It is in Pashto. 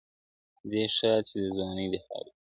دي ښاد سي د ځواني دي خاوري نه سي.